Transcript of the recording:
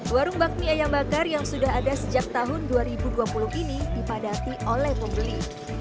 warung bakmi ayam bakar yang sudah ada sejak tahun dua ribu dua puluh ini dipadati oleh pembeli